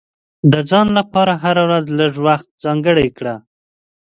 د ځان لپاره هره ورځ لږ وخت ځانګړی کړه.